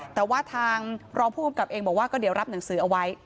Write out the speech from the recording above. แต่ว่าทางรองผู้กำกับเองบอกว่าก็เดี๋ยวรับหนังสือเอาไว้